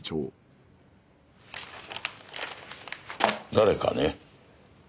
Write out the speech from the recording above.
誰かね？